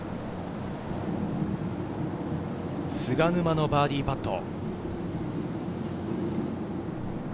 菅沼のバーディーパット。